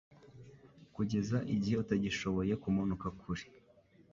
kugeza igihe utagishoboye kumanuka kure